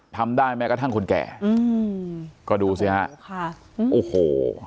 ทำได้แม้กระทั่งคนแก่อืมก็ดูสิฮะค่ะโอ้โห